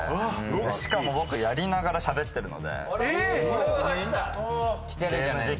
しかも僕やりながらしゃべってるので。